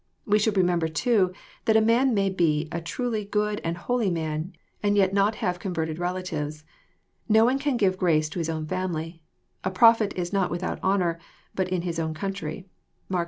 We should remember too, that a man may be a truly good and holy man, and yet not have converted rela tives. No one can give grace to his own family. *< A prophet is not without honour but in his own country." (Mark vi.